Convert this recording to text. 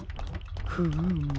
フーム。